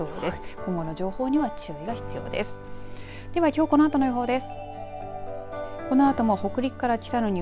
今後の情報には注意が必要です。